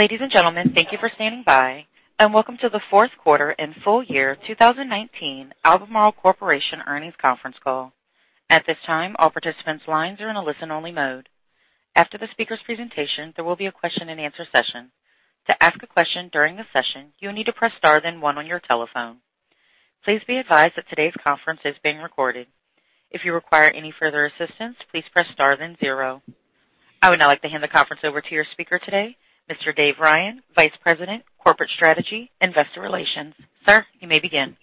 Ladies and gentlemen, thank you for standing by, and welcome to the fourth quarter and full year 2019 Albemarle Corporation Earnings Conference Call. At this time, all participants' lines are in a listen-only mode. After the speaker's presentation, there will be a question-and-answer session. To ask a question during the session, you will need to press star then one on your telephone. Please be advised that today's conference is being recorded. If you require any further assistance, please press star then zero. I would now like to hand the conference over to your speaker today, Mr. Dave Ryan, Vice President, Corporate Strategy, Investor Relations. Sir, you may begin.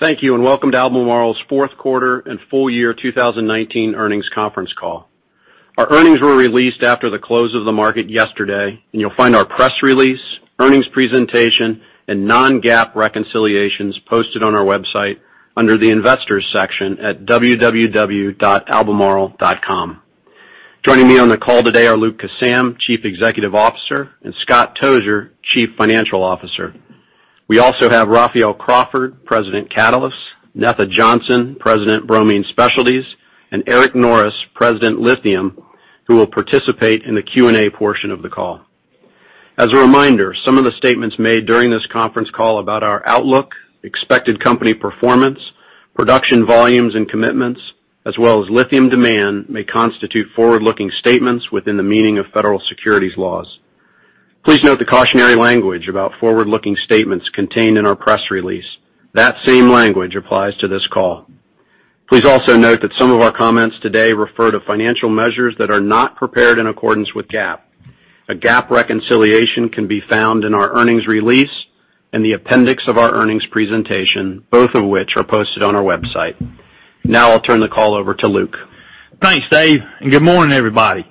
Thank you, and welcome to Albemarle's fourth quarter and full year 2019 earnings conference call. Our earnings were released after the close of the market yesterday, and you'll find our press release, earnings presentation, and non-GAAP reconciliations posted on our website under the Investors section at www.albemarle.com. Joining me on the call today are Luke Kissam, Chief Executive Officer, and Scott Tozier, Chief Financial Officer. We also have Raphael Crawford, President, Catalysts, Netha Johnson, President, Bromine Specialties, and Eric Norris, President, Lithium, who will participate in the Q&A portion of the call. As a reminder, some of the statements made during this conference call about our outlook, expected company performance, production volumes and commitments, as well as lithium demand, may constitute forward-looking statements within the meaning of federal securities laws. Please note the cautionary language about forward-looking statements contained in our press release. That same language applies to this call. Please also note that some of our comments today refer to financial measures that are not prepared in accordance with GAAP. A GAAP reconciliation can be found in our earnings release and the appendix of our earnings presentation, both of which are posted on our website. Now I'll turn the call over to Luke. Thanks, Dave, and good morning, everybody.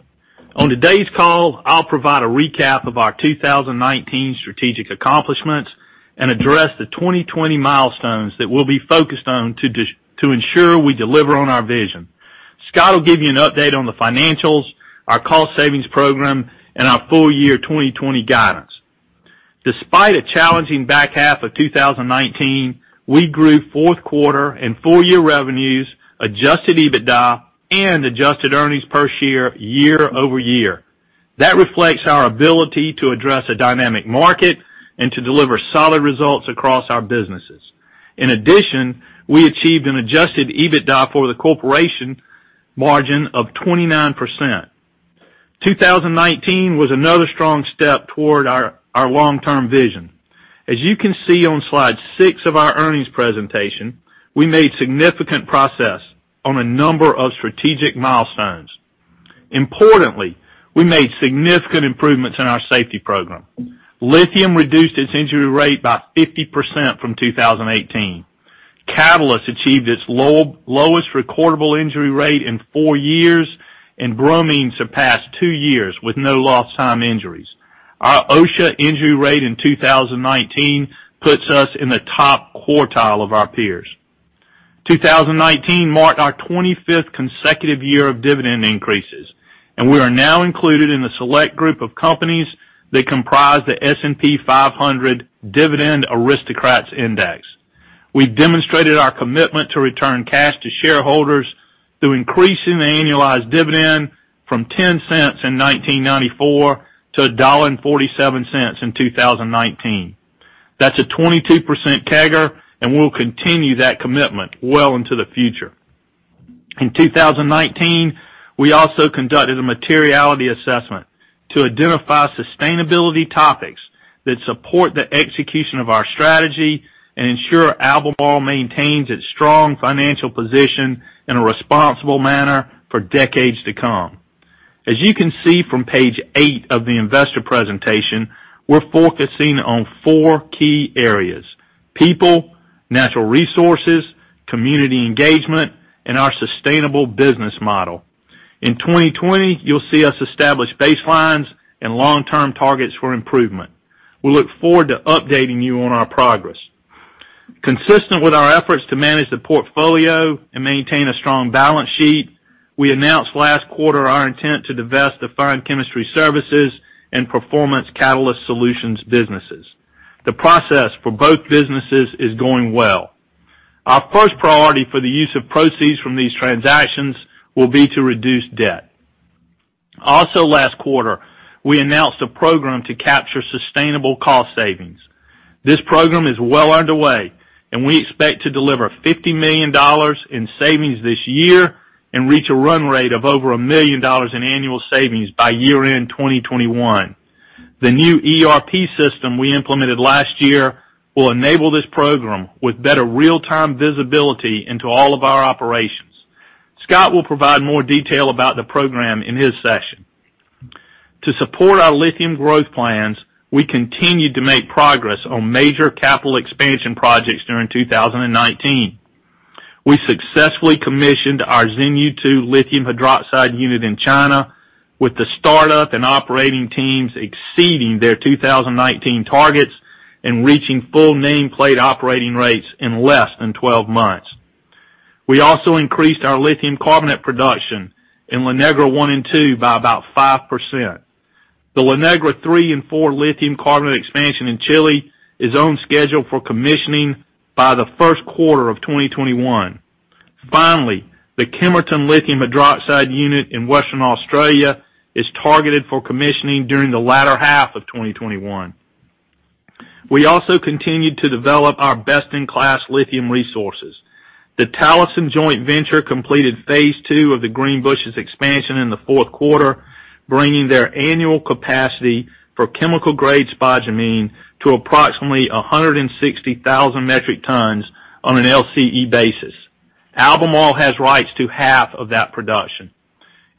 On today's call, I'll provide a recap of our 2019 strategic accomplishments and address the 2020 milestones that we'll be focused on to ensure we deliver on our vision. Scott will give you an update on the financials, our cost savings program, and our full year 2020 guidance. Despite a challenging back half of 2019, we grew fourth quarter and full year revenues, adjusted EBITDA, and adjusted earnings per share year-over-year. That reflects our ability to address a dynamic market and to deliver solid results across our businesses. In addition, we achieved an adjusted EBITDA for the corporation margin of 29%. 2019 was another strong step toward our long-term vision. As you can see on slide six of our earnings presentation, we made significant progress on a number of strategic milestones. Importantly, we made significant improvements in our safety program. Lithium reduced its injury rate by 50% from 2018. Catalysts achieved its lowest recordable injury rate in four years, and Bromine surpassed two years with no lost time injuries. Our OSHA injury rate in 2019 puts us in the top quartile of our peers. 2019 marked our 25th consecutive year of dividend increases, and we are now included in the select group of companies that comprise the S&P 500 Dividend Aristocrats Index. We've demonstrated our commitment to return cash to shareholders through increasing the annualized dividend from $0.10 in 1994 to $1.47 in 2019. That's a 22% CAGR, and we'll continue that commitment well into the future. In 2019, we also conducted a materiality assessment to identify sustainability topics that support the execution of our strategy and ensure Albemarle maintains its strong financial position in a responsible manner for decades to come. As you can see from page eight of the investor presentation, we're focusing on four key areas. People, natural resources, community engagement, and our sustainable business model. In 2020, you'll see us establish baselines and long-term targets for improvement. We look forward to updating you on our progress. Consistent with our efforts to manage the portfolio and maintain a strong balance sheet, we announced last quarter our intent to divest the Fine Chemistry Services and Performance Catalyst Solutions businesses. The process for both businesses is going well. Our first priority for the use of proceeds from these transactions will be to reduce debt. Last quarter, we announced a program to capture sustainable cost savings. This program is well underway, and we expect to deliver $50 million in savings this year and reach a run rate of over $1 million in annual savings by year-end 2021. The new ERP system we implemented last year will enable this program with better real-time visibility into all of our operations. Scott will provide more detail about the program in his session. To support our lithium growth plans, we continued to make progress on major capital expansion projects during 2019. We successfully commissioned our Xinyu II lithium hydroxide unit in China with the startup and operating teams exceeding their 2019 targets and reaching full nameplate operating rates in less than 12 months. We also increased our lithium carbonate production in La Negra 1 and 2 by about 5%. The La Negra 3 and 4 lithium carbonate expansion in Chile is on schedule for commissioning by the first quarter of 2021. Finally, the Kemerton lithium hydroxide unit in Western Australia is targeted for commissioning during the latter half of 2021. We also continued to develop our best-in-class lithium resources. The Talison joint venture completed phase 2 of the Greenbushes expansion in the fourth quarter, bringing their annual capacity for chemical-grade spodumene to approximately 160,000 metric tons on an LCE basis. Albemarle has rights to half of that production.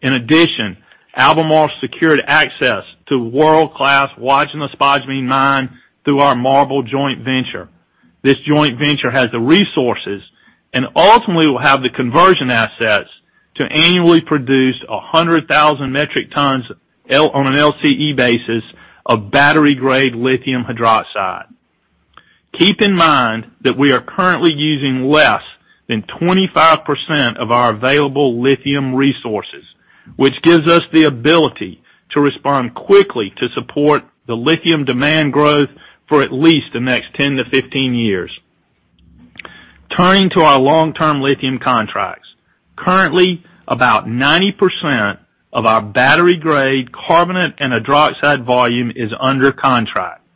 In addition, Albemarle secured access to world-class Wodgina spodumene mine through our MARBL joint venture. This joint venture has the resources, and ultimately will have the conversion assets to annually produce 100,000 metric tons on an LCE basis of battery-grade lithium hydroxide. Keep in mind that we are currently using less than 25% of our available lithium resources, which gives us the ability to respond quickly to support the lithium demand growth for at least the next 10-15 years. Turning to our long-term lithium contracts. Currently, about 90% of our battery-grade carbonate and hydroxide volume is under contract.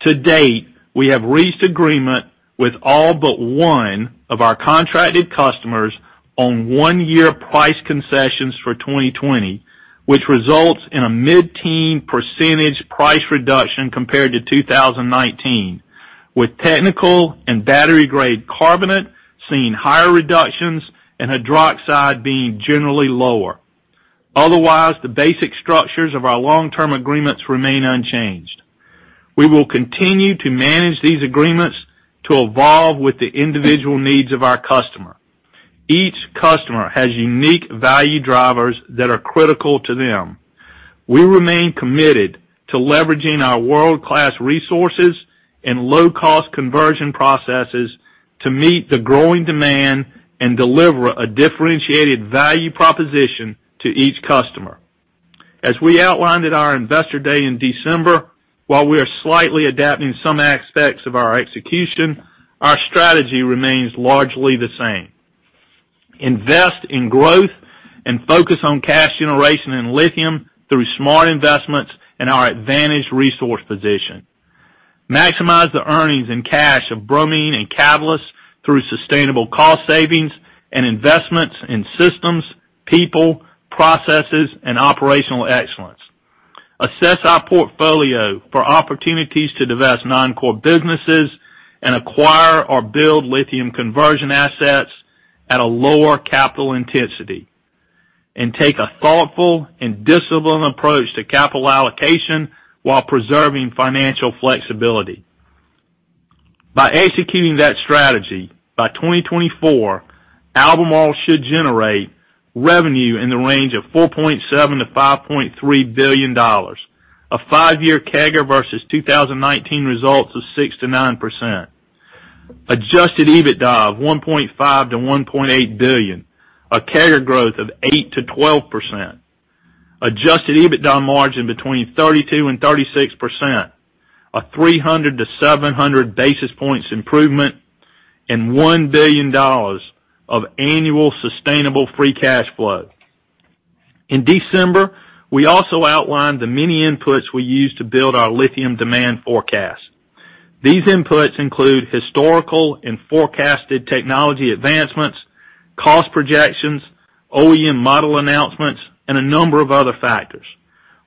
To date, we have reached agreement with all but one of our contracted customers on one-year price concessions for 2020, which results in a mid-teen percentage price reduction compared to 2019, with technical and battery-grade carbonate seeing higher reductions and hydroxide being generally lower. Otherwise, the basic structures of our long-term agreements remain unchanged. We will continue to manage these agreements to evolve with the individual needs of our customer. Each customer has unique value drivers that are critical to them. We remain committed to leveraging our world-class resources and low-cost conversion processes to meet the growing demand and deliver a differentiated value proposition to each customer. As we outlined at our investor day in December, while we are slightly adapting some aspects of our execution, our strategy remains largely the same. Invest in growth and focus on cash generation and lithium through smart investments and our advantaged resource position. Maximize the earnings and cash of bromine and catalysts through sustainable cost savings and investments in systems, people, processes, and operational excellence. Assess our portfolio for opportunities to divest non-core businesses and acquire or build lithium conversion assets at a lower capital intensity. Take a thoughtful and disciplined approach to capital allocation while preserving financial flexibility. By executing that strategy, by 2024, Albemarle should generate revenue in the range of $4.7 billion to $5.3 billion. A five-year CAGR versus 2019 results of 6%-9%. Adjusted EBITDA of $1.5 billion to $1.8 billion, a CAGR growth of 8%-12%. Adjusted EBITDA margin between 32% and 36%, a 300 to 700 basis points improvement, and $1 billion of annual sustainable free cash flow. In December, we also outlined the many inputs we use to build our lithium demand forecast. These inputs include historical and forecasted technology advancements, cost projections, OEM model announcements, and a number of other factors.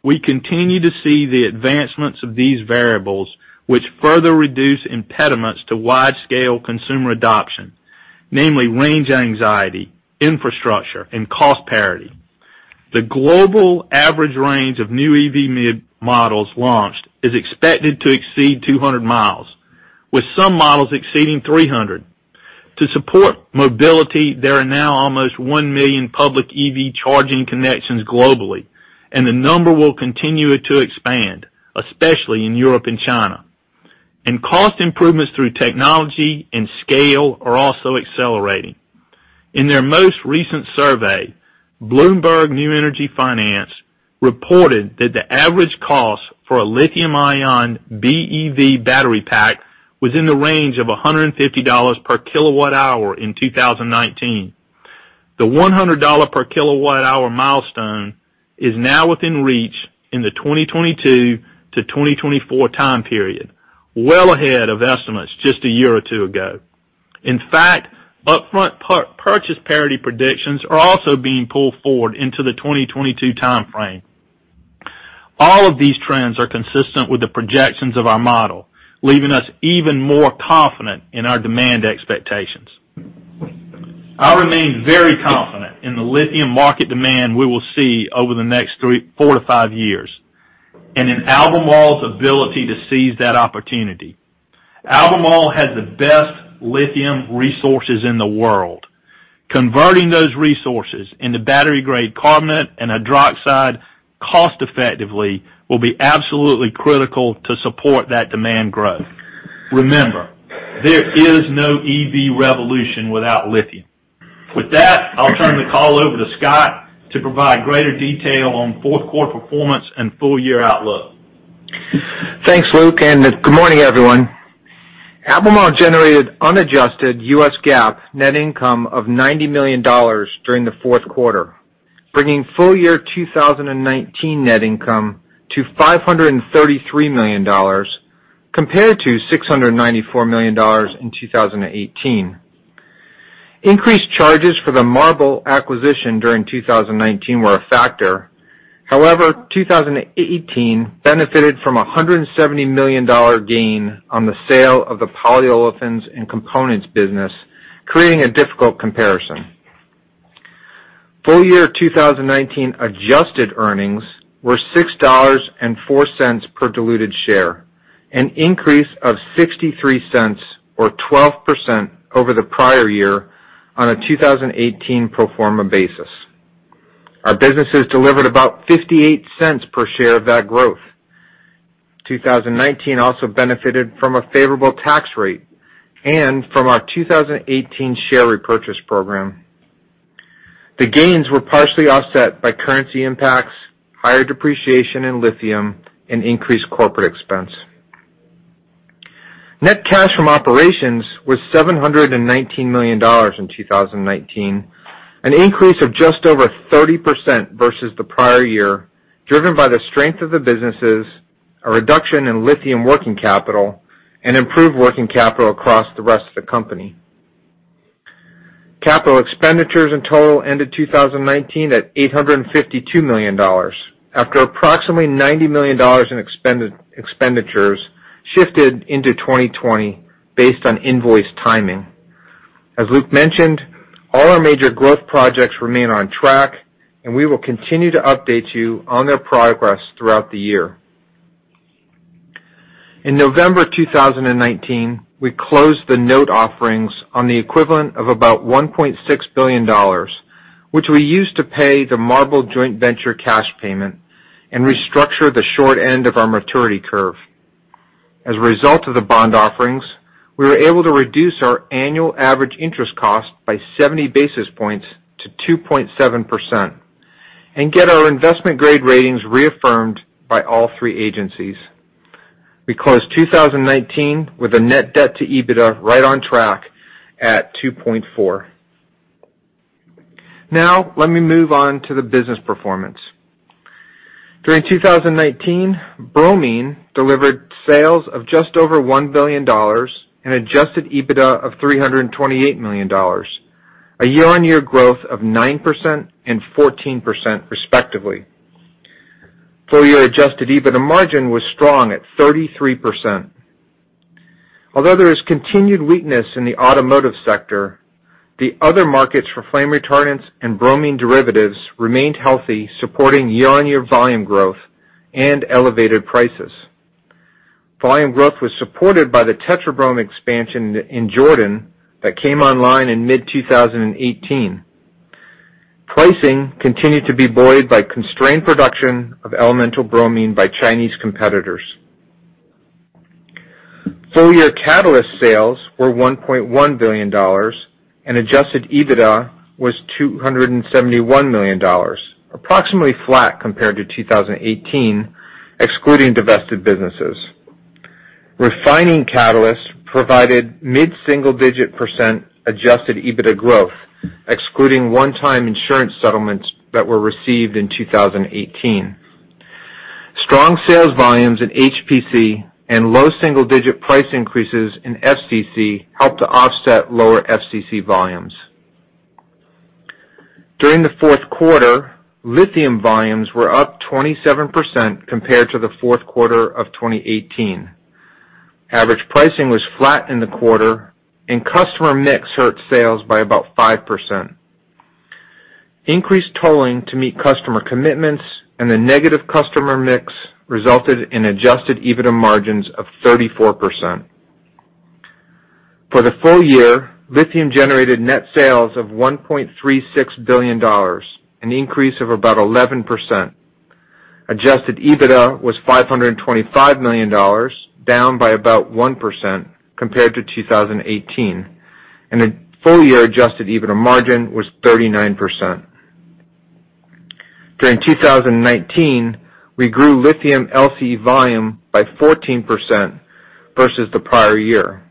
We continue to see the advancements of these variables, which further reduce impediments to wide-scale consumer adoption, namely range anxiety, infrastructure, and cost parity. The global average range of new EV mid models launched is expected to exceed 200 miles, with some models exceeding 300. To support mobility, there are now almost 1 million public EV charging connections globally, the number will continue to expand, especially in Europe and China. Cost improvements through technology and scale are also accelerating. In their most recent survey, BloombergNEF reported that the average cost for a lithium-ion BEV battery pack was in the range of $150 per kilowatt hour in 2019. The $100 per kilowatt hour milestone is now within reach in the 2022 to 2024 time period, well ahead of estimates just a year or two ago. In fact, upfront purchase parity predictions are also being pulled forward into the 2022 timeframe. All of these trends are consistent with the projections of our model, leaving us even more confident in our demand expectations. I remain very confident in the lithium market demand we will see over the next three, four to five years, and in Albemarle's ability to seize that opportunity. Albemarle has the best lithium resources in the world. Converting those resources into battery-grade carbonate and hydroxide cost-effectively will be absolutely critical to support that demand growth. Remember, there is no EV revolution without lithium. With that, I'll turn the call over to Scott to provide greater detail on fourth quarter performance and full-year outlook. Thanks, Luke, and good morning, everyone. Albemarle generated unadjusted US GAAP net income of $90 million during the fourth quarter, bringing full-year 2019 net income to $533 million compared to $694 million in 2018. Increased charges for the MARBL acquisition during 2019 were a factor. However, 2018 benefited from a $170 million gain on the sale of the polyolefin catalysts and components business, creating a difficult comparison. Full-year 2019 adjusted earnings were $6.04 per diluted share, an increase of $0.63 or 12% over the prior year on a 2018 pro forma basis. Our businesses delivered about $0.58 per share of that growth. 2019 also benefited from a favorable tax rate and from our 2018 share repurchase program. The gains were partially offset by currency impacts, higher depreciation in lithium, and increased corporate expense. Net cash from operations was $719 million in 2019, an increase of just over 30% versus the prior year, driven by the strength of the businesses, a reduction in lithium working capital, and improved working capital across the rest of the company. Capital expenditures in total ended 2019 at $852 million, after approximately $90 million in expenditures shifted into 2020 based on invoice timing. As Luke mentioned, all our major growth projects remain on track, and we will continue to update you on their progress throughout the year. In November 2019, we closed the note offerings on the equivalent of about $1.6 billion, which we used to pay the MARBL joint venture cash payment and restructure the short end of our maturity curve. As a result of the bond offerings, we were able to reduce our annual average interest cost by 70 basis points to 2.7% and get our investment-grade ratings reaffirmed by all three agencies. We closed 2019 with a net debt to EBITDA right on track at 2.4. Let me move on to the business performance. During 2019, bromine delivered sales of just over $1 billion and adjusted EBITDA of $328 million, a year-on-year growth of 9% and 14%, respectively. Full-year adjusted EBITDA margin was strong at 33%. Although there is continued weakness in the automotive sector, the other markets for flame retardants and bromine derivatives remained healthy, supporting year-on-year volume growth and elevated prices. Volume growth was supported by the Tetrabrom expansion in Jordan that came online in mid-2018. Pricing continued to be buoyed by constrained production of elemental bromine by Chinese competitors. Full-year catalyst sales were $1.1 billion, and adjusted EBITDA was $271 million, approximately flat compared to 2018, excluding divested businesses. Refining catalysts provided mid-single-digit percent adjusted EBITDA growth, excluding one-time insurance settlements that were received in 2018. Strong sales volumes in HPC and low single-digit price increases in FCC helped to offset lower FCC volumes. During the fourth quarter, lithium volumes were up 27% compared to the fourth quarter of 2018. Average pricing was flat in the quarter, and customer mix hurt sales by about 5%. Increased tolling to meet customer commitments and the negative customer mix resulted in adjusted EBITDA margins of 34%. For the full year, lithium generated net sales of $1.36 billion, an increase of about 11%. Adjusted EBITDA was $525 million, down by about 1% compared to 2018, and a full-year adjusted EBITDA margin was 39%. During 2019, we grew lithium LCE volume by 14% versus the prior year.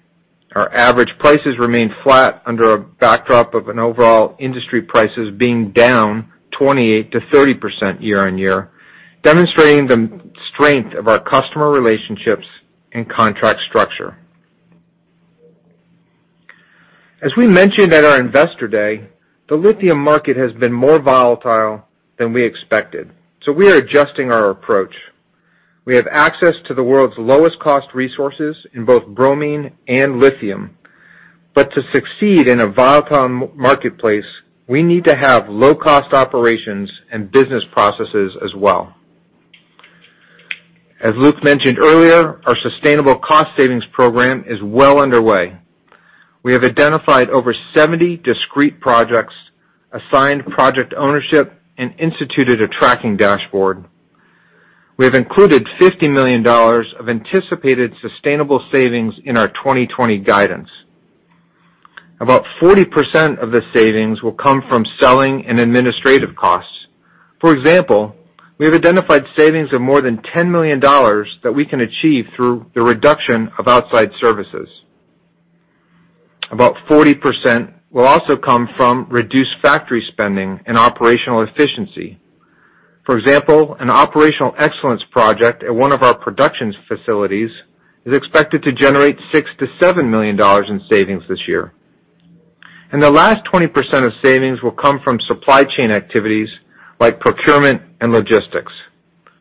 Our average prices remained flat under a backdrop of an overall industry prices being down 28%-30% year-on-year, demonstrating the strength of our customer relationships and contract structure. As we mentioned at our Investor Day, the lithium market has been more volatile than we expected, so we are adjusting our approach. We have access to the world's lowest-cost resources in both bromine and lithium. To succeed in a volatile marketplace, we need to have low-cost operations and business processes as well. As Luke mentioned earlier, our sustainable cost savings program is well underway. We have identified over 70 discrete projects, assigned project ownership, and instituted a tracking dashboard. We have included $50 million of anticipated sustainable savings in our 2020 guidance. About 40% of the savings will come from selling and administrative costs. For example, we have identified savings of more than $10 million that we can achieve through the reduction of outside services. About 40% will also come from reduced factory spending and operational efficiency. For example, an operational excellence project at one of our production facilities is expected to generate $6 million to $7 million in savings this year. The last 20% of savings will come from supply chain activities like procurement and logistics.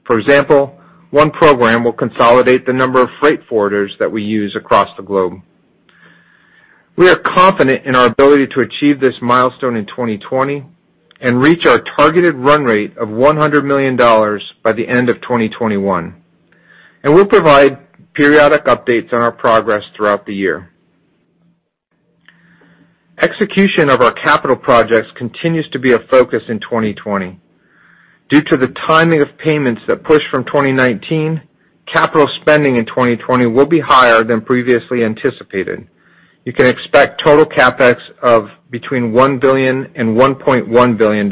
For example, one program will consolidate the number of freight forwarders that we use across the globe. We are confident in our ability to achieve this milestone in 2020 and reach our targeted run rate of $100 million by the end of 2021. We'll provide periodic updates on our progress throughout the year. Execution of our capital projects continues to be a focus in 2020. Due to the timing of payments that pushed from 2019, capital spending in 2020 will be higher than previously anticipated. You can expect total CapEx of between $1 billion and $1.1 billion,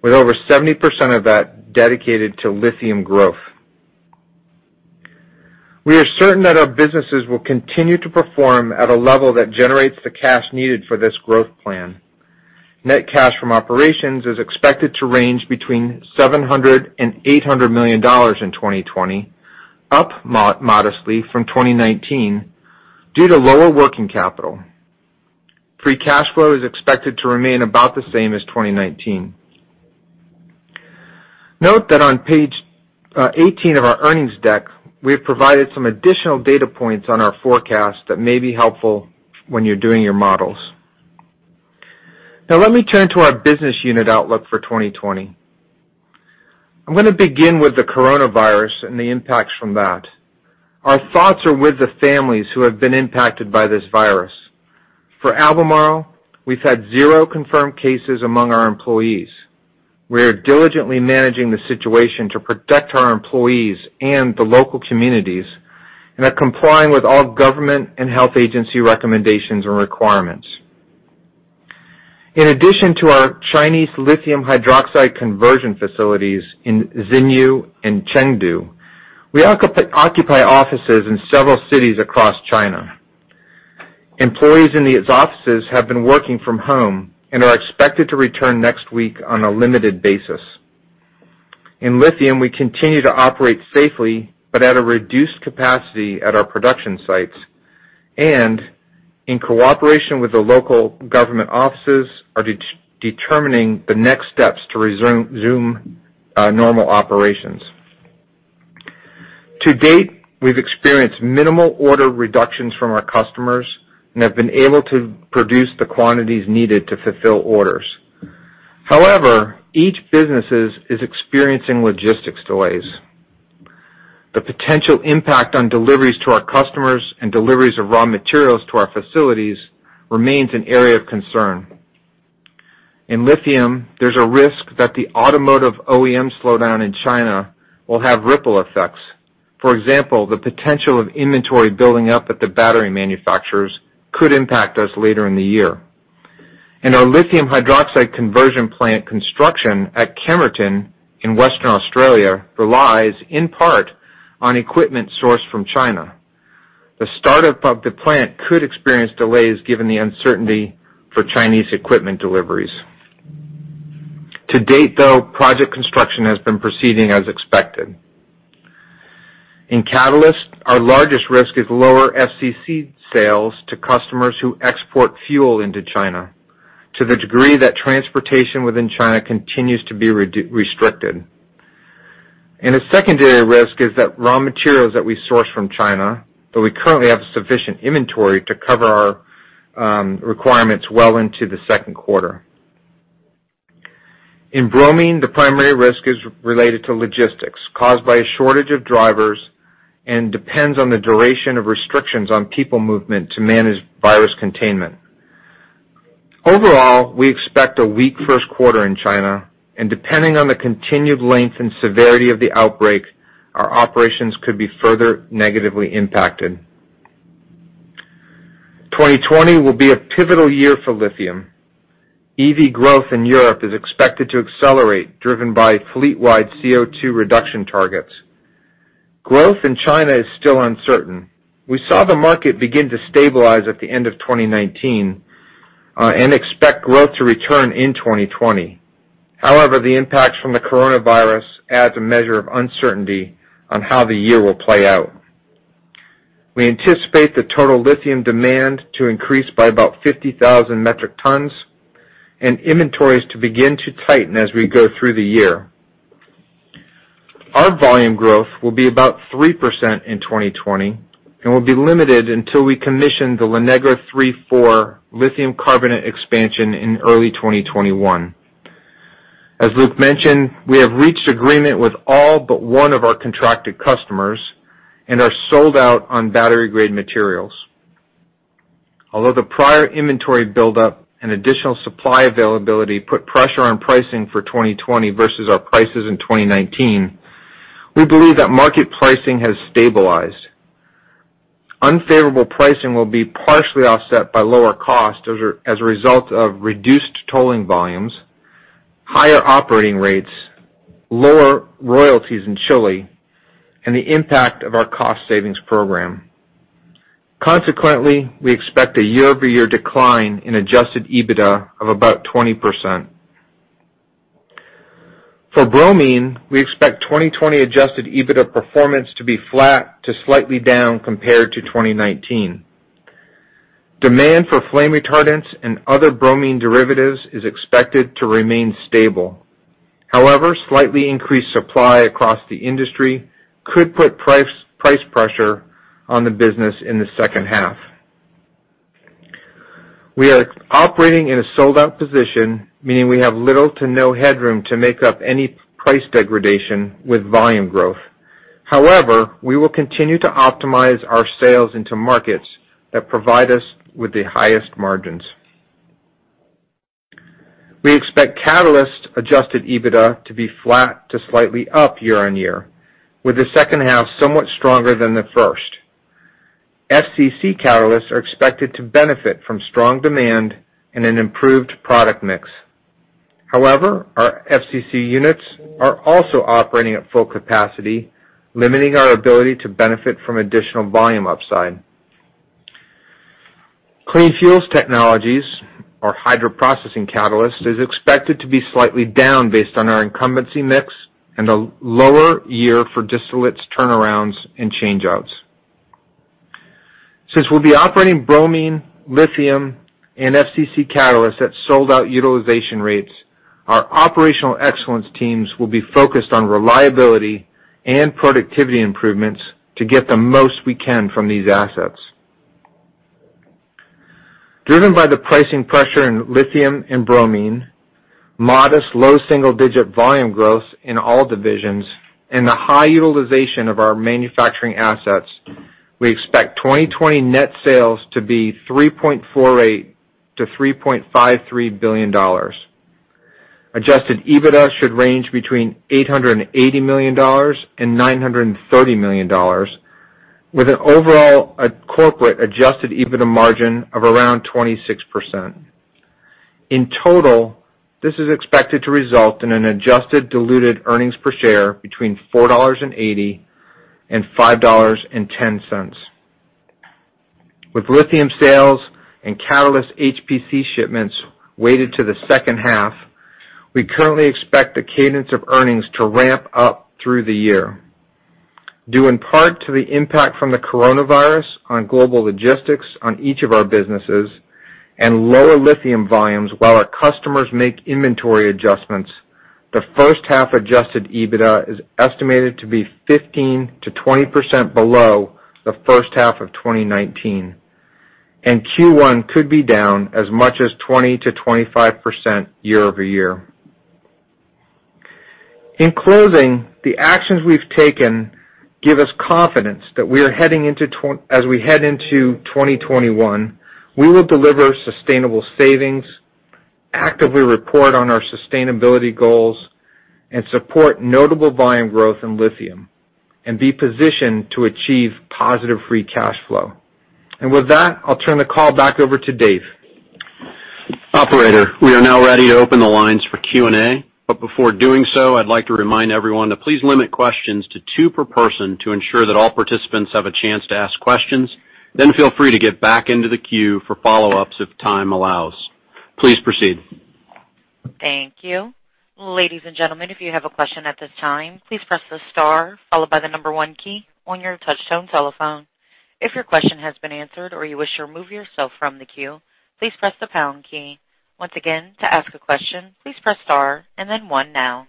with over 70% of that dedicated to lithium growth. We are certain that our businesses will continue to perform at a level that generates the cash needed for this growth plan. Net cash from operations is expected to range between $700 million and $800 million in 2020, up modestly from 2019 due to lower working capital. Free cash flow is expected to remain about the same as 2019. Note that on page 18 of our earnings deck, we have provided some additional data points on our forecast that may be helpful when you're doing your models. Now let me turn to our business unit outlook for 2020. I'm going to begin with the coronavirus and the impacts from that. Our thoughts are with the families who have been impacted by this coronavirus. For Albemarle, we've had zero confirmed cases among our employees. We are diligently managing the situation to protect our employees and the local communities, and are complying with all government and health agency recommendations and requirements. In addition to our Chinese lithium hydroxide conversion facilities in Xinyu and Chengdu, we occupy offices in several cities across China. Employees in these offices have been working from home and are expected to return next week on a limited basis. In lithium, we continue to operate safely, but at a reduced capacity at our production sites, and in cooperation with the local government offices, are determining the next steps to resume normal operations. To date, we've experienced minimal order reductions from our customers and have been able to produce the quantities needed to fulfill orders. However, each businesses is experiencing logistics delays. The potential impact on deliveries to our customers and deliveries of raw materials to our facilities remains an area of concern. In Lithium, there's a risk that the automotive OEM slowdown in China will have ripple effects. For example, the potential of inventory building up at the battery manufacturers could impact us later in the year. Our lithium hydroxide conversion plant construction at Kemerton in Western Australia relies in part on equipment sourced from China. The startup of the plant could experience delays given the uncertainty for Chinese equipment deliveries. To date, though, project construction has been proceeding as expected. In Catalysts, our largest risk is lower FCC sales to customers who export fuel into China to the degree that transportation within China continues to be restricted. A secondary risk is that raw materials that we source from China, though we currently have sufficient inventory to cover our requirements well into the second quarter. In bromine, the primary risk is related to logistics caused by a shortage of drivers and depends on the duration of restrictions on people movement to manage virus containment. Overall, we expect a weak first quarter in China, and depending on the continued length and severity of the outbreak, our operations could be further negatively impacted. 2020 will be a pivotal year for lithium. EV growth in Europe is expected to accelerate, driven by fleet-wide CO2 reduction targets. Growth in China is still uncertain. We saw the market begin to stabilize at the end of 2019, and expect growth to return in 2020. However, the impacts from the coronavirus adds a measure of uncertainty on how the year will play out. We anticipate the total lithium demand to increase by about 50,000 metric tons and inventories to begin to tighten as we go through the year. Our volume growth will be about 3% in 2020 and will be limited until we commission the La Negra III/IV lithium carbonate expansion in early 2021. As Luke mentioned, we have reached agreement with all but one of our contracted customers and are sold out on battery-grade materials. The prior inventory buildup and additional supply availability put pressure on pricing for 2020 versus our prices in 2019. We believe that market pricing has stabilized. Unfavorable pricing will be partially offset by lower costs as a result of reduced tolling volumes, higher operating rates, lower royalties in Chile, and the impact of our cost savings program. We expect a year-over-year decline in adjusted EBITDA of about 20%. For bromine, we expect 2020 adjusted EBITDA performance to be flat to slightly down compared to 2019. Demand for flame retardants and other bromine derivatives is expected to remain stable. Slightly increased supply across the industry could put price pressure on the business in the second half. We are operating in a sold-out position, meaning we have little to no headroom to make up any price degradation with volume growth. We will continue to optimize our sales into markets that provide us with the highest margins. We expect catalyst adjusted EBITDA to be flat to slightly up year-on-year, with the second half somewhat stronger than the first. FCC catalysts are expected to benefit from strong demand and an improved product mix. Our FCC units are also operating at full capacity, limiting our ability to benefit from additional volume upside. Clean Fuels Technologies, or hydroprocessing catalyst, is expected to be slightly down based on our incumbency mix and a lower year for distillates turnarounds and changeouts. Since we'll be operating bromine, lithium, and FCC catalyst at sold-out utilization rates, our operational excellence teams will be focused on reliability and productivity improvements to get the most we can from these assets. Driven by the pricing pressure in lithium and bromine, modest low single-digit volume growth in all divisions, and the high utilization of our manufacturing assets, we expect 2020 net sales to be $3.48 billion-$3.53 billion. Adjusted EBITDA should range between $880 million-$930 million, with an overall corporate adjusted EBITDA margin of around 26%. In total, this is expected to result in an adjusted diluted earnings per share between $4.80-$5.10. With lithium sales and catalyst HPC shipments weighted to the second half, we currently expect the cadence of earnings to ramp up through the year. Due in part to the impact from the coronavirus on global logistics on each of our businesses and lower lithium volumes while our customers make inventory adjustments, the first half adjusted EBITDA is estimated to be 15%-20% below the first half of 2019, and Q1 could be down as much as 20%-25% year-over-year. In closing, the actions we've taken give us confidence that as we head into 2021, we will deliver sustainable savings, actively report on our sustainability goals, and support notable volume growth in lithium and be positioned to achieve positive free cash flow. With that, I'll turn the call back over to Dave. Operator, we are now ready to open the lines for Q&A. Before doing so, I'd like to remind everyone to please limit questions to two per person to ensure that all participants have a chance to ask questions. Feel free to get back into the queue for follow-ups if time allows. Please proceed. Thank you. Ladies and gentlemen, if you have a question at this time, please press the star followed by the number one key on your touchtone telephone. If your question has been answered or you wish to remove yourself from the queue, please press the pound key. Once again, to ask a question, please press star and then one now.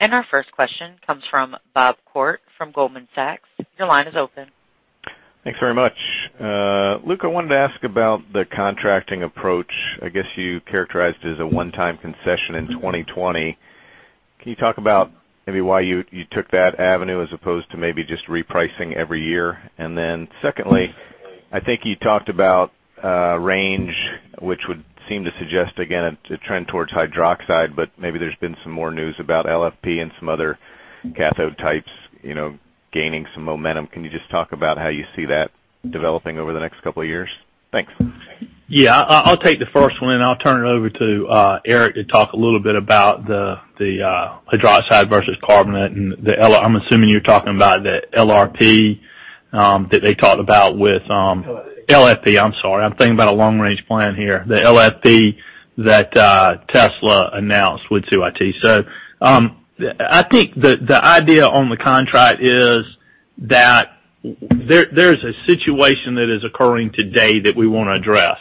Our first question comes from Bob Koort from Goldman Sachs. Your line is open. Thanks very much. Luke, I wanted to ask about the contracting approach. I guess you characterized it as a one-time concession in 2020. Can you talk about maybe why you took that avenue as opposed to maybe just repricing every year? Secondly, I think you talked about range, which would seem to suggest, again, a trend towards hydroxide, but maybe there's been some more news about LFP and some other cathode types gaining some momentum. Can you just talk about how you see that developing over the next couple of years? Thanks. Yeah. I'll take the first one, and I'll turn it over to Eric to talk a little bit about the hydroxide versus carbonate and the LFP. I'm assuming you're talking about the LFP that they talked about. LFP. I'm sorry. I'm thinking about a long-range plan here. The LFP that Tesla announced with CATL. I think the idea on the contract is that there's a situation that is occurring today that we want to address.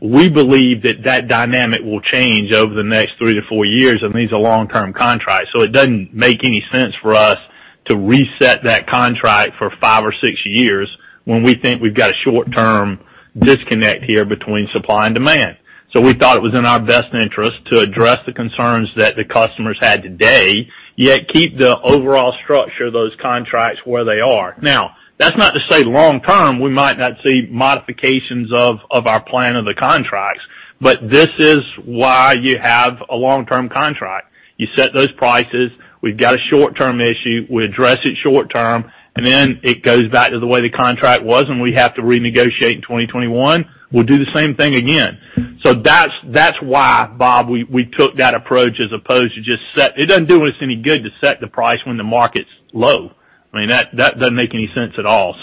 We believe that dynamic will change over the next three to four years, and it's a long-term contract. It doesn't make any sense for us to reset that contract for five or six years when we think we've got a short-term disconnect here between supply and demand. We thought it was in our best interest to address the concerns that the customers had today, yet keep the overall structure of those contracts where they are. Now, that's not to say long term, we might not see modifications of our plan of the contracts. This is why you have a long-term contract. You set those prices, we've got a short-term issue, we address it short-term, and then it goes back to the way the contract was and we have to renegotiate in 2021. We'll do the same thing again. That's why, Bob Koort, we took that approach as opposed to just set It doesn't do us any good to set the price when the market's low. That doesn't make any sense at all.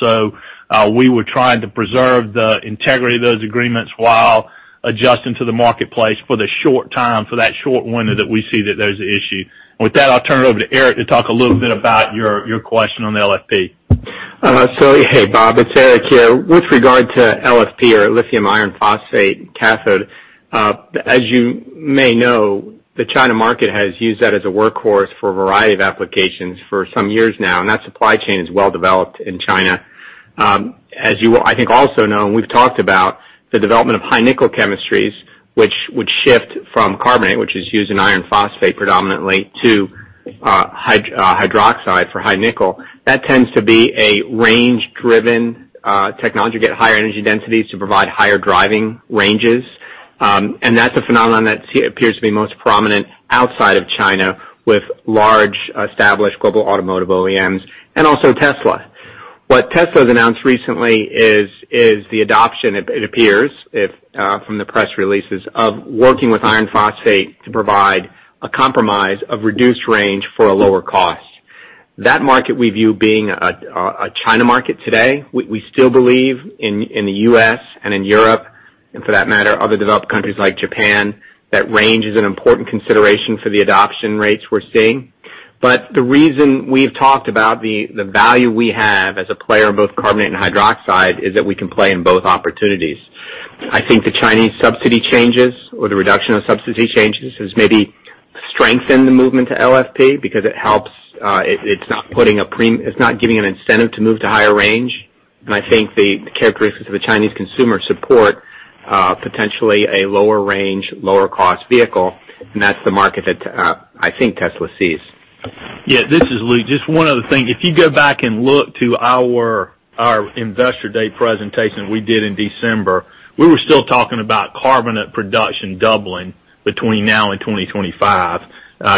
We were trying to preserve the integrity of those agreements while adjusting to the marketplace for the short time, for that short window that we see that there's an issue. With that, I'll turn it over to Eric to talk a little bit about your question on the LFP. Hey, Bob. It's Eric here. With regard to LFP or lithium iron phosphate cathode, as you may know, the China market has used that as a workhorse for a variety of applications for some years now, and that supply chain is well-developed in China. As you, I think, also know, and we've talked about the development of high nickel chemistries, which would shift from carbonate, which is used in iron phosphate predominantly to hydroxide for high nickel. That tends to be a range-driven technology. You get higher energy densities to provide higher driving ranges. That's a phenomenon that appears to be most prominent outside of China with large established global automotive OEMs and also Tesla. What Tesla's announced recently is the adoption, it appears from the press releases, of working with iron phosphate to provide a compromise of reduced range for a lower cost. That market we view being a China market today. We still believe in the U.S. and in Europe, and for that matter, other developed countries like Japan, that range is an important consideration for the adoption rates we're seeing. The reason we've talked about the value we have as a player in both carbonate and hydroxide is that we can play in both opportunities. I think the Chinese subsidy changes or the reduction of subsidy changes has maybe strengthened the movement to LFP because it's not giving an incentive to move to higher range. I think the characteristics of a Chinese consumer support potentially a lower range, lower cost vehicle, and that's the market that I think Tesla sees. This is Luke. Just one other thing. If you go back and look to our Investor Day presentation we did in December, we were still talking about carbonate production doubling between now and 2025,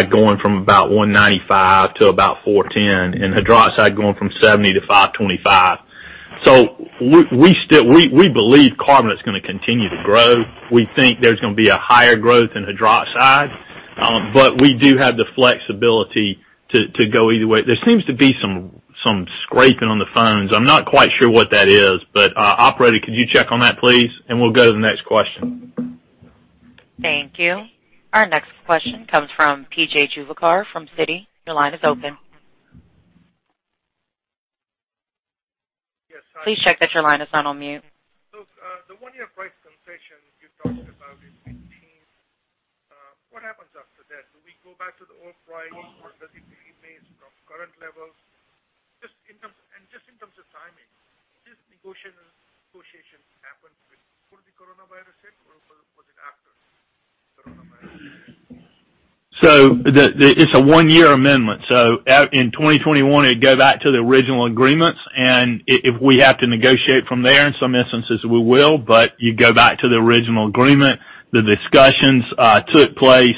going from about 195 to about 410, and hydroxide going from 70 to 525. We believe carbonate's going to continue to grow. We think there's going to be a higher growth in hydroxide. We do have the flexibility to go either way. There seems to be some scraping on the phones. I am not quite sure what that is, operator, could you check on that, please? We will go to the next question. Thank you. Our next question comes from P.J. Juvekar from Citi. Your line is open. Yes, hi- Please check that your line is not on mute. Luke, the one-year price concession you talked about in 2018, what happens after that? Do we go back to the old price or does it remain from current levels? Just in terms of timing, did negotiations happen before the coronavirus hit, or was it after coronavirus hit? It's a one-year amendment. In 2021, it'd go back to the original agreements. If we have to negotiate from there, in some instances, we will, but you go back to the original agreement. The discussions took place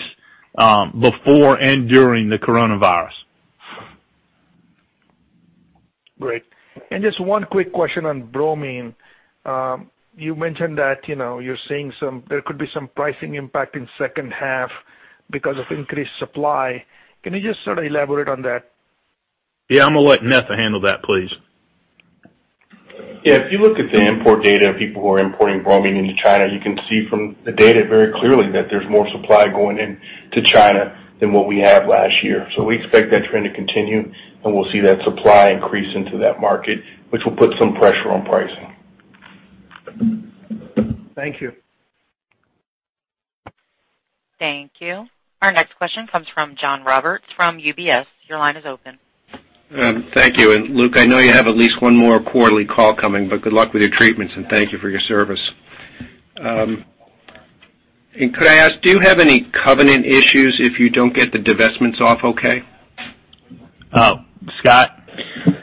before and during the coronavirus. Great. Just one quick question on bromine. You mentioned that there could be some pricing impact in second half because of increased supply. Can you just sort of elaborate on that? Yeah. I'm going to let Netha handle that, please. Yeah. If you look at the import data of people who are importing bromine into China, you can see from the data very clearly that there's more supply going into China than what we have last year. We expect that trend to continue, and we'll see that supply increase into that market, which will put some pressure on pricing. Thank you. Thank you. Our next question comes from John Roberts from UBS. Your line is open. Thank you. Luke, I know you have at least one more quarterly call coming, but good luck with your treatments, and thank you for your service. Could I ask, do you have any covenant issues if you don't get the divestments off okay? Scott?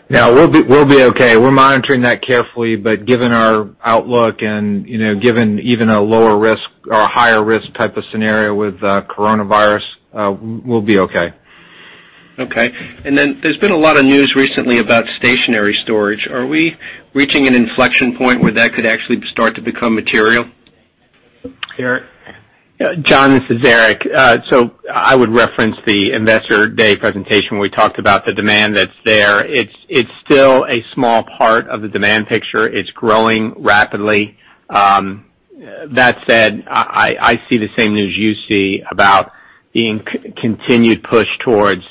No, we'll be okay. We're monitoring that carefully, but given our outlook and given even a lower risk or a higher risk type of scenario with coronavirus, we'll be okay. Okay. There's been a lot of news recently about stationary storage. Are we reaching an inflection point where that could actually start to become material? Eric? John, this is Eric. I would reference the Investor Day presentation where we talked about the demand that's there. It's still a small part of the demand picture. It's growing rapidly. That said, I see the same news you see about the continued push towards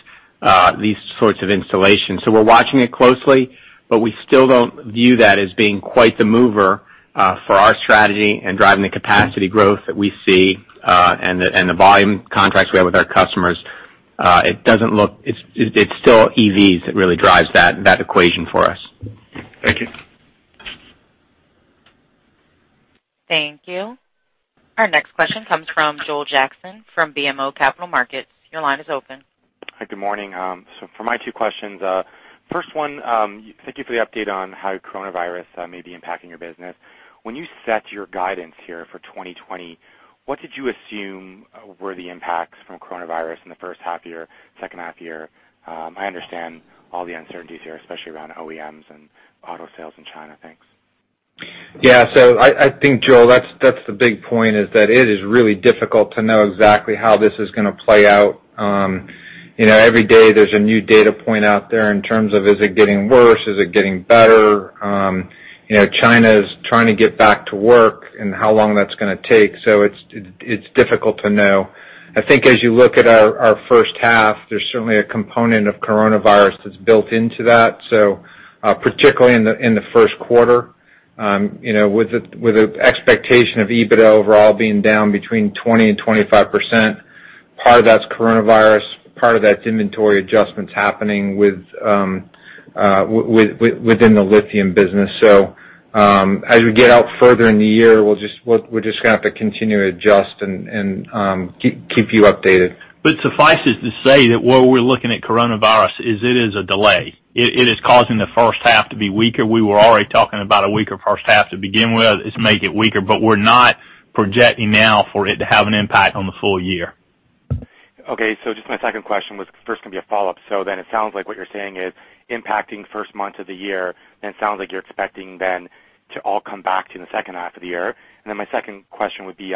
these sorts of installations. We're watching it closely, but we still don't view that as being quite the mover for our strategy and driving the capacity growth that we see, and the volume contracts we have with our customers. It's still EVs that really drives that equation for us. Thank you. Thank you. Our next question comes from Joel Jackson from BMO Capital Markets. Your line is open. Hi, good morning. For my two questions, first one, thank you for the update on how coronavirus may be impacting your business. When you set your guidance here for 2020, what did you assume were the impacts from coronavirus in the first half year, second half year? I understand all the uncertainties here, especially around OEMs and auto sales in China. Thanks. I think, Joel, that's the big point, is that it is really difficult to know exactly how this is going to play out. Every day there's a new data point out there in terms of, is it getting worse, is it getting better? China's trying to get back to work, how long that's going to take. It's difficult to know. I think as you look at our first half, there's certainly a component of coronavirus that's built into that. Particularly in the first quarter with the expectation of EBITDA overall being down between 20% and 25%. Part of that's coronavirus, part of that's inventory adjustments happening within the lithium business. As we get out further in the year, we're just going to have to continue to adjust and keep you updated. Suffice it to say that where we're looking at coronavirus is it is a delay. It is causing the first half to be weaker. We were already talking about a weaker first half to begin with. It's made it weaker, but we're not projecting now for it to have an impact on the full year. Okay. Just my second question was first going to be a follow-up. It sounds like what you're saying is impacting first months of the year, and it sounds like you're expecting then to all come back in the second half of the year. My second question would be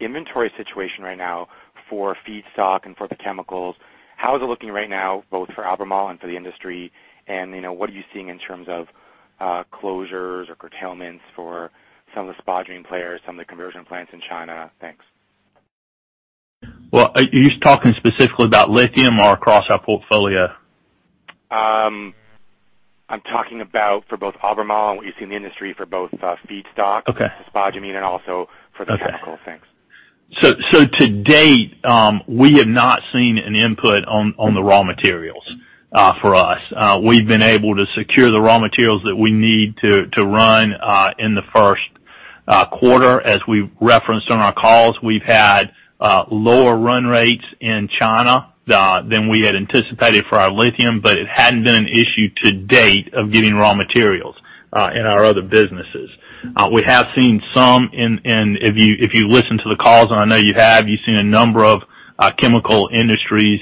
inventory situation right now for feedstock and for the chemicals. How is it looking right now, both for Albemarle and for the industry? What are you seeing in terms of closures or curtailments for some of the spodumene players, some of the conversion plants in China? Thanks. Well, are you talking specifically about lithium or across our portfolio? I'm talking about for both Albemarle and what you see in the industry for both feedstock. Okay. spodumene, and also for the chemical. Thanks. To date, we have not seen an input on the raw materials for us. We've been able to secure the raw materials that we need to run in the first quarter. As we've referenced on our calls, we've had lower run rates in China than we had anticipated for our lithium, but it hadn't been an issue to date of getting raw materials in our other businesses. We have seen some, and if you listen to the calls, and I know you have, you've seen a number of chemical industries,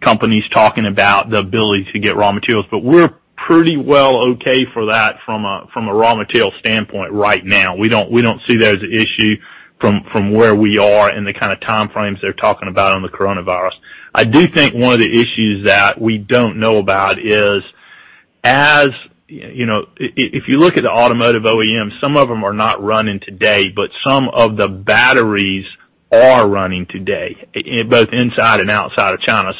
companies talking about the ability to get raw materials, but we're pretty well okay for that from a raw material standpoint right now. We don't see that as an issue from where we are and the kind of time frames they're talking about on the coronavirus. I do think one of the issues that we don't know about is, if you look at the automotive OEMs, some of them are not running today, but some of the batteries are running today, both inside and outside of China.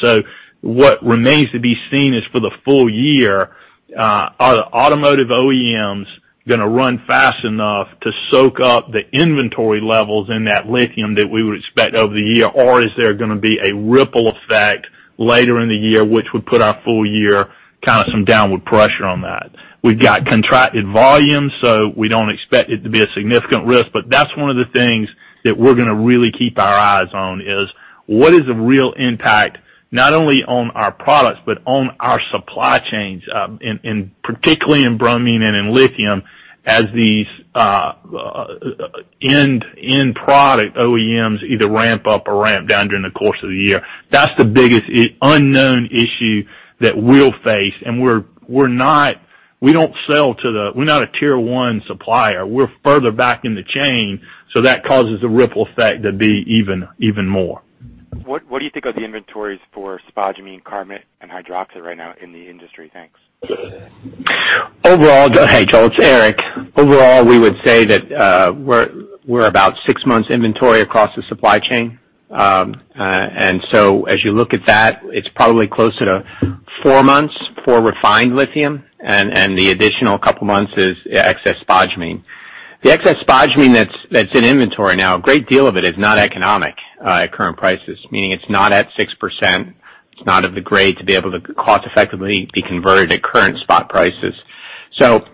What remains to be seen is for the full year, are the automotive OEMs going to run fast enough to soak up the inventory levels in that lithium that we would expect over the year? Is there going to be a ripple effect later in the year, which would put our full year kind of some downward pressure on that? We've got contracted volumes, we don't expect it to be a significant risk. That's one of the things that we're going to really keep our eyes on is what is the real impact, not only on our products, but on our supply chains, and particularly in bromine and in lithium as these end product OEMs either ramp up or ramp down during the course of the year. That's the biggest unknown issue that we'll face. We're not a tier 1 supplier. We're further back in the chain, so that causes the ripple effect to be even more. What do you think of the inventories for spodumene, carbonate, and hydroxide right now in the industry? Thanks. Hey, Joel, it's Eric. Overall, we would say that we're about six months inventory across the supply chain. As you look at that, it's probably closer to four months for refined lithium, and the additional couple of months is excess spodumene. The excess spodumene that's in inventory now, a great deal of it is not economic at current prices, meaning it's not at 6%. It's not of the grade to be able to cost effectively be converted at current spot prices. That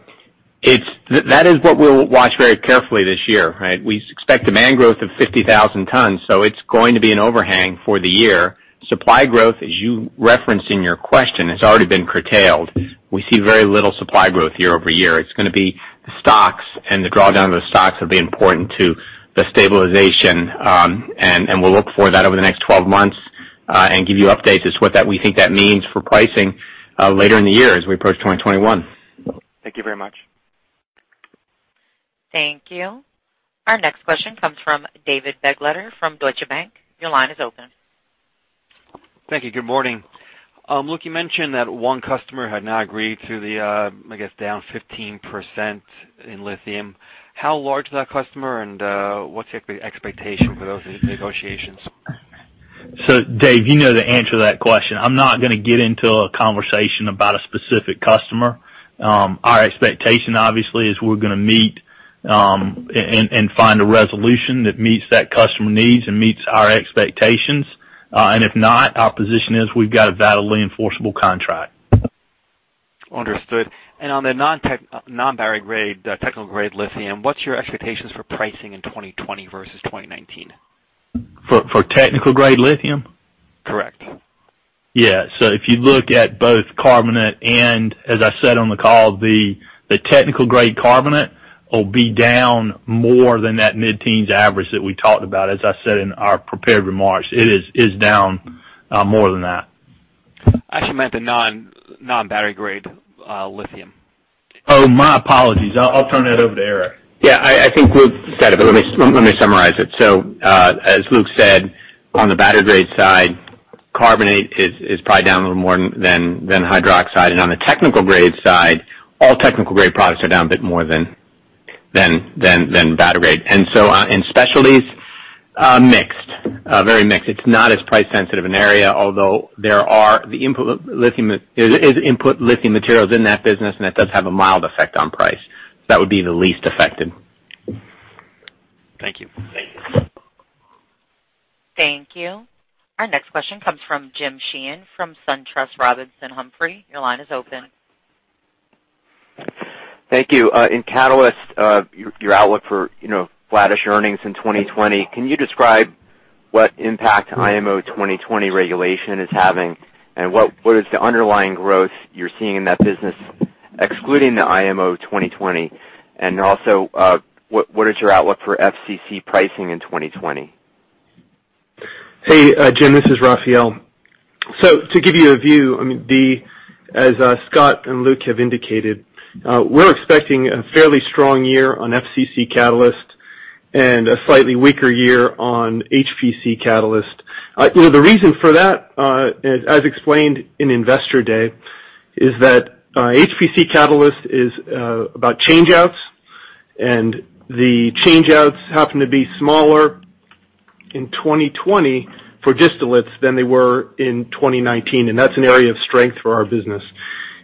is what we'll watch very carefully this year, right? We expect demand growth of 50,000 tons, it's going to be an overhang for the year. Supply growth, as you referenced in your question, has already been curtailed. We see very little supply growth year-over-year. It's going to be the stocks, the drawdown of the stocks will be important to the stabilization. We'll look for that over the next 12 months and give you updates as what that we think that means for pricing later in the year as we approach 2021. Thank you very much. Thank you. Our next question comes from David Begleiter from Deutsche Bank. Your line is open. Thank you. Good morning. Look, you mentioned that one customer had not agreed to the, I guess, down 15% in lithium. How large is that customer, and what's the expectation for those negotiations? Dave, you know the answer to that question. I'm not going to get into a conversation about a specific customer. Our expectation obviously is we're going to meet and find a resolution that meets that customer needs and meets our expectations. If not, our position is we've got a validly enforceable contract. Understood. On the non-battery grade, technical grade lithium, what's your expectations for pricing in 2020 versus 2019? For technical grade lithium? Correct. Yeah. If you look at both carbonate and as I said on the call, the technical grade carbonate will be down more than that mid-teens average that we talked about. As I said in our prepared remarks, it is down more than that. Actually meant the non-battery grade lithium. Oh, my apologies. I'll turn that over to Eric. Yeah, I think Luke said it, but let me summarize it. As Luke said, on the battery grade side, carbonate is probably down a little more than hydroxide. On the technical grade side, all technical grade products are down a bit more than battery grade. In specialties, mixed. Very mixed. It's not as price sensitive an area, although there is input lithium materials in that business, and it does have a mild effect on price. That would be the least affected. Thank you. Thank you. Our next question comes from James Sheehan from SunTrust Robinson Humphrey. Your line is open. Thank you. In catalyst, your outlook for flattish earnings in 2020, can you describe what impact IMO 2020 regulation is having, and what is the underlying growth you're seeing in that business, excluding the IMO 2020? Also, what is your outlook for FCC pricing in 2020? Jim, this is Raphael. To give you a view, as Scott and Luke have indicated, we're expecting a fairly strong year on FCC catalyst and a slightly weaker year on HPC catalyst. The reason for that, as explained in Investor Day, is that HPC catalyst is about changeouts, and the changeouts happen to be smaller in 2020 for distillates than they were in 2019, and that's an area of strength for our business.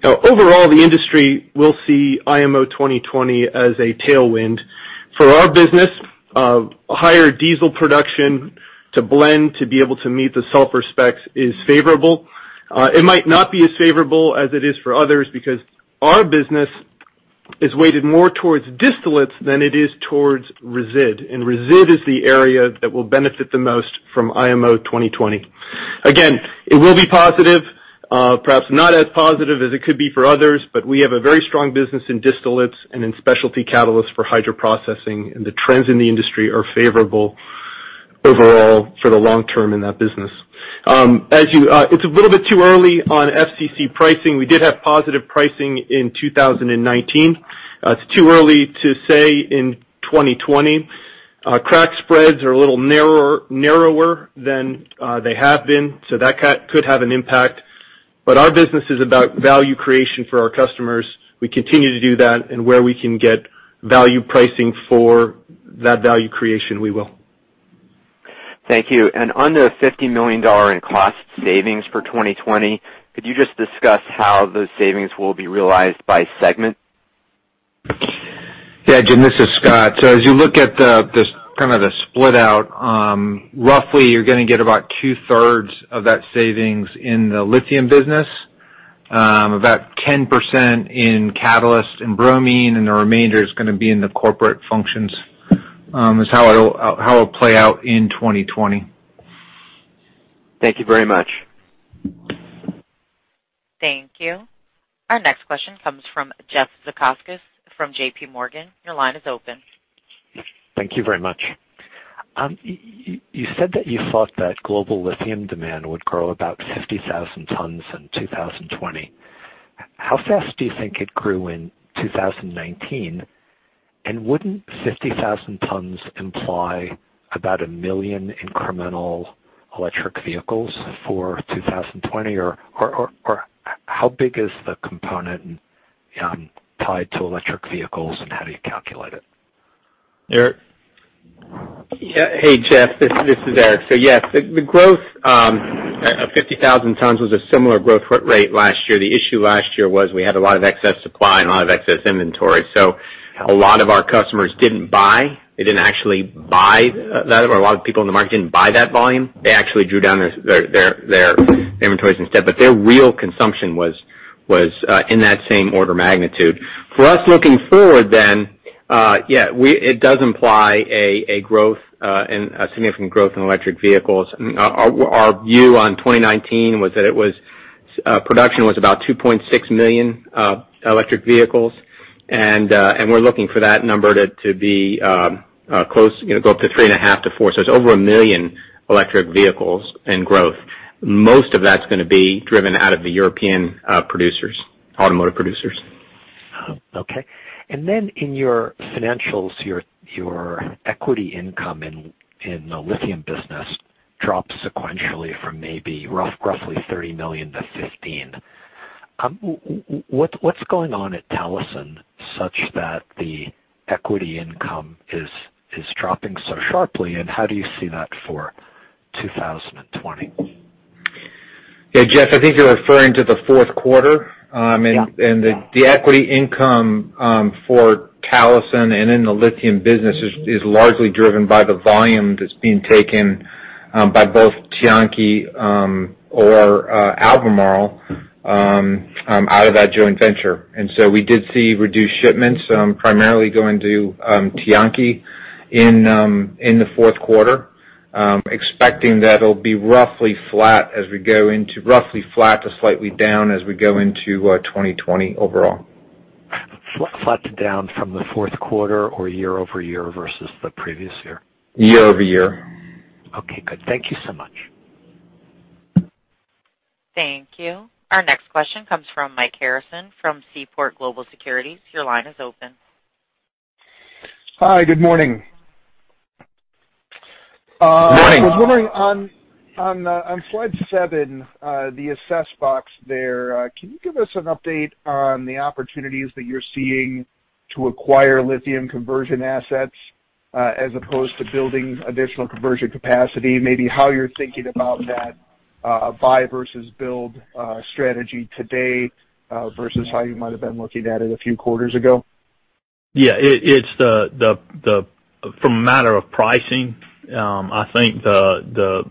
Overall, the industry will see IMO 2020 as a tailwind. For our business, higher diesel production to blend to be able to meet the sulfur specs is favorable. It might not be as favorable as it is for others because our business is weighted more towards distillates than it is towards resid. Resid is the area that will benefit the most from IMO 2020. Again, it will be positive. Perhaps not as positive as it could be for others, but we have a very strong business in distillates and in specialty catalysts for hydroprocessing, and the trends in the industry are favorable overall for the long term in that business. It's a little bit too early on FCC pricing. We did have positive pricing in 2019. It's too early to say in 2020. Crack spreads are a little narrower than they have been, so that could have an impact. Our business is about value creation for our customers. We continue to do that, and where we can get value pricing for that value creation, we will. Thank you. On the $50 million in cost savings for 2020, could you just discuss how those savings will be realized by segment? Yeah, Jim, this is Scott. As you look at the split out, roughly you're going to get about 2/3 of that savings in the lithium business, about 10% in catalyst and bromine, and the remainder is going to be in the corporate functions, is how it'll play out in 2020. Thank you very much. Thank you. Our next question comes from Jeff Zekauskas from J.P. Morgan. Your line is open. Thank you very much. You said that you thought that global lithium demand would grow about 50,000 tons in 2020. How fast do you think it grew in 2019? Wouldn't 50,000 tons imply about a million incremental electric vehicles for 2020? How big is the component tied to electric vehicles, and how do you calculate it? Eric. Hey, Jeff, this is Eric. Yes, the growth of 50,000 tons was a similar growth rate last year. The issue last year was we had a lot of excess supply and a lot of excess inventory. A lot of our customers didn't buy. They didn't actually buy that, or a lot of people in the market didn't buy that volume. They actually drew down their inventories instead. Their real consumption was in that same order magnitude. For us looking forward, yes, it does imply a significant growth in electric vehicles. Our view on 2019 was that production was about 2.6 million electric vehicles. We're looking for that number to go up to 3.5 to 4. It's over 1 million electric vehicles in growth. Most of that's going to be driven out of the European automotive producers. Okay. In your financials, your equity income in the lithium business dropped sequentially from maybe roughly $30 million to $15 million. What's going on at Talison such that the equity income is dropping so sharply, and how do you see that for 2020? Jeff, I think you're referring to the fourth quarter. Yeah. The equity income for Talison and in the lithium business is largely driven by the volume that's being taken. By both Tianqi or Albemarle out of that joint venture. We did see reduced shipments, primarily going to Tianqi in the fourth quarter, expecting that it'll be roughly flat to slightly down as we go into 2020 overall. Flat to down from the fourth quarter or year-over-year versus the previous year? Year-over-year. Okay, good. Thank you so much. Thank you. Our next question comes from Mike Harrison from Seaport Global Securities. Your line is open. Hi, good morning. Morning. I was wondering on slide seven, the assess box there, can you give us an update on the opportunities that you're seeing to acquire lithium conversion assets as opposed to building additional conversion capacity, maybe how you're thinking about that buy versus build strategy today, versus how you might've been looking at it a few quarters ago? From a matter of pricing, I think the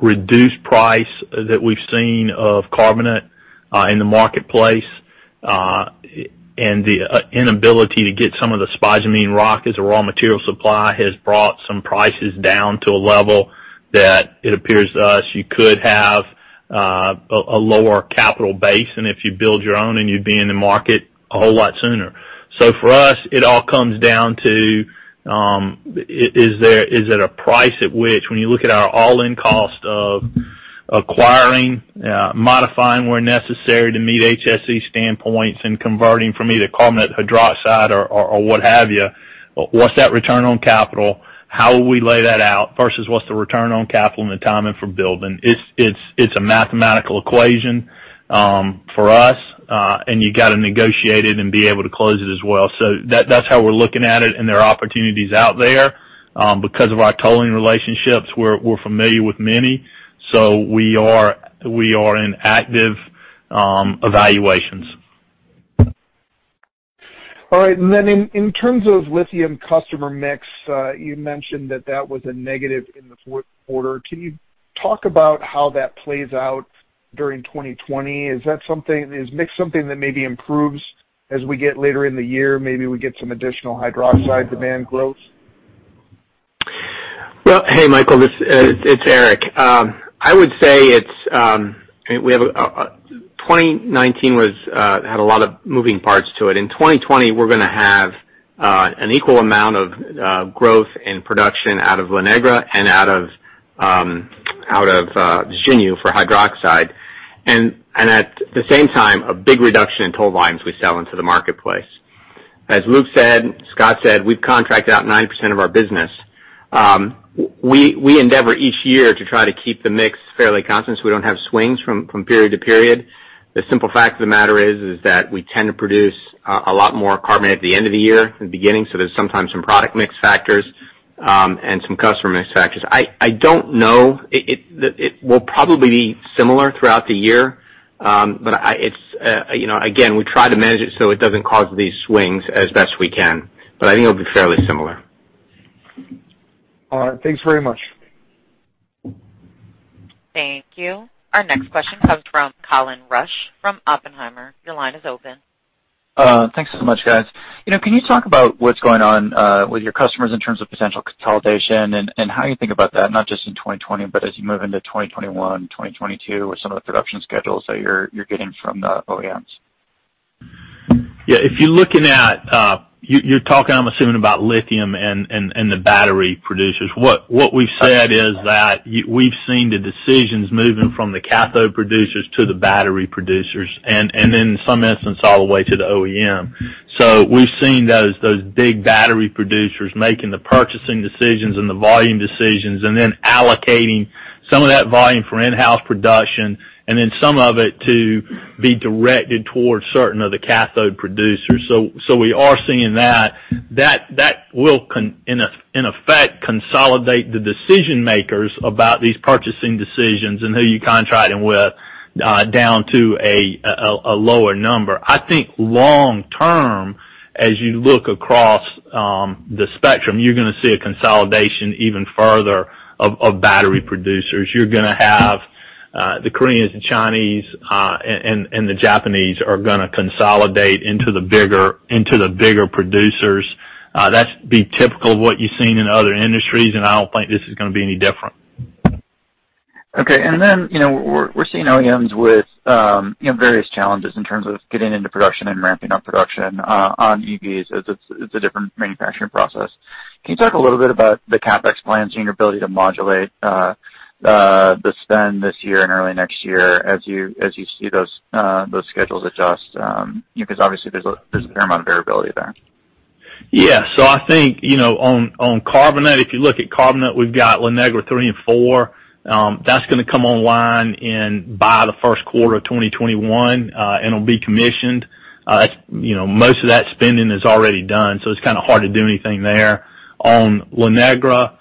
reduced price that we've seen of carbonate in the marketplace, and the inability to get some of the spodumene rock as a raw material supply, has brought some prices down to a level that it appears to us you could have a lower capital base. If you build your own, then you'd be in the market a whole lot sooner. For us, it all comes down to, is it a price at which, when you look at our all-in cost of acquiring, modifying where necessary to meet HSE standpoints and converting from either carbonate, hydroxide or what have you, what's that return on capital? How will we lay that out, versus what's the return on capital and the time for building? It's a mathematical equation for us, and you got to negotiate it and be able to close it as well. That's how we're looking at it, and there are opportunities out there. Because of our tolling relationships, we're familiar with many. We are in active evaluations. All right. In terms of lithium customer mix, you mentioned that that was a negative in the fourth quarter. Can you talk about how that plays out during 2020? Is mix something that maybe improves as we get later in the year, maybe we get some additional hydroxide demand growth? Well, hey, Michael, it's Eric. I would say 2019 had a lot of moving parts to it. 2020, we're going to have an equal amount of growth in production out of La Negra and out of Xinyu for hydroxide. At the same time, a big reduction in toll lines we sell into the marketplace. As Luke said, Scott said, we've contracted out 90% of our business. We endeavor each year to try to keep the mix fairly constant so we don't have swings from period to period. The simple fact of the matter is that we tend to produce a lot more carbonate at the end of the year than the beginning. There's sometimes some product mix factors, and some customer mix factors. I don't know. It will probably be similar throughout the year. We try to manage it so it doesn't cause these swings as best we can. I think it'll be fairly similar. All right. Thanks very much. Thank you. Our next question comes from Colin Rusch from Oppenheimer. Your line is open. Thanks so much, guys. Can you talk about what's going on with your customers in terms of potential consolidation and how you think about that, not just in 2020, but as you move into 2021, 2022 with some of the production schedules that you're getting from the OEMs? Yeah. You're talking, I'm assuming, about lithium and the battery producers. What we've said is that we've seen the decisions moving from the cathode producers to the battery producers, and in some instance, all the way to the OEM. We've seen those big battery producers making the purchasing decisions and the volume decisions, and then allocating some of that volume for in-house production, and then some of it to be directed towards certain other cathode producers. We are seeing that. That will, in effect, consolidate the decision-makers about these purchasing decisions and who you're contracting with down to a lower number. I think long-term, as you look across the spectrum, you're going to see a consolidation even further of battery producers. You're going to have the Koreans, the Chinese, and the Japanese are going to consolidate into the bigger producers. That's been typical of what you've seen in other industries, and I don't think this is going to be any different. Okay. We're seeing OEMs with various challenges in terms of getting into production and ramping up production on EVs as it's a different manufacturing process. Can you talk a little bit about the CapEx plans and your ability to modulate the spend this year and early next year as you see those schedules adjust? Because obviously there's a fair amount of variability there. I think on carbonate, if you look at carbonate, we've got La Negra 3 and 4. That's going to come online by the first quarter of 2021. It'll be commissioned. Most of that spending is already done. It's kind of hard to do anything there. At La Negra,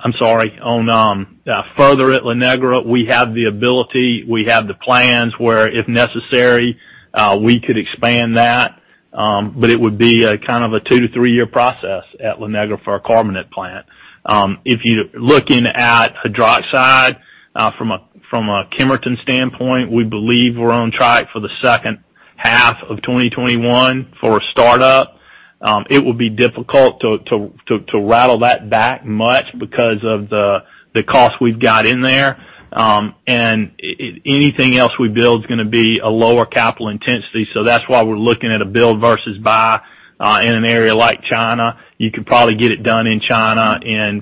we have the ability, we have the plans where, if necessary, we could expand that. It would be a two to three-year process at La Negra for our carbonate plant. If you're looking at hydroxide from a Kemerton standpoint, we believe we're on track for the second half of 2021 for a startup. It will be difficult to rattle that back much because of the cost we've got in there. Anything else we build is going to be a lower capital intensity. That's why we're looking at a build versus buy in an area like China. You could probably get it done in China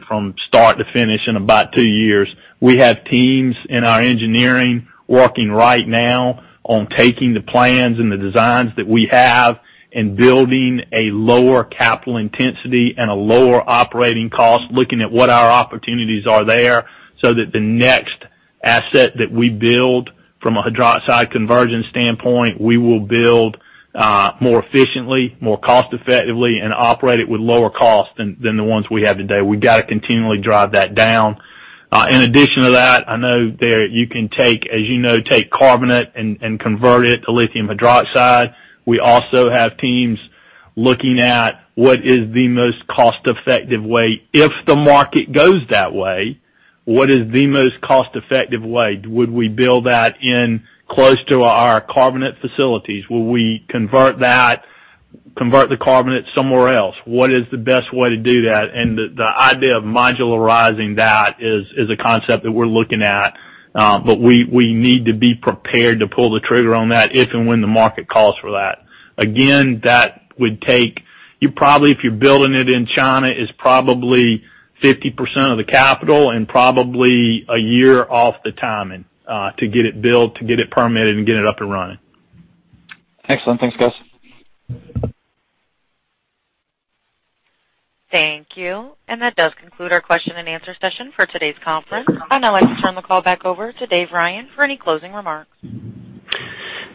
from start to finish in about two years. We have teams in our engineering working right now on taking the plans and the designs that we have, and building a lower capital intensity and a lower operating cost, looking at what our opportunities are there, so that the next asset that we build from a hydroxide conversion standpoint, we will build more efficiently, more cost effectively, and operate it with lower cost than the ones we have today. We've got to continually drive that down. In addition to that, I know you can take carbonate and convert it to lithium hydroxide. We also have teams looking at what is the most cost-effective way, if the market goes that way. What is the most cost-effective way? Would we build that in close to our carbonate facilities? Will we convert the carbonate somewhere else? What is the best way to do that? The idea of modularizing that is a concept that we're looking at. We need to be prepared to pull the trigger on that if and when the market calls for that. Again, if you're building it in China, it's probably 50% of the capital and probably a year off the timing to get it built, to get it permitted, and get it up and running. Excellent. Thanks, guys. Thank you. That does conclude our question-and-answer session for today's conference. I'd now like to turn the call back over to Dave Ryan for any closing remarks.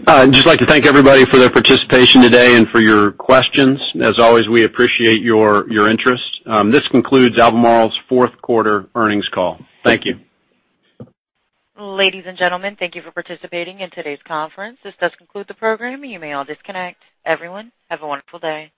I'd just like to thank everybody for their participation today and for your questions. As always, we appreciate your interest. This concludes Albemarle's fourth quarter earnings call. Thank you. Ladies and gentlemen, thank you for participating in today's conference. This does conclude the program. You may all disconnect. Everyone, have a wonderful day.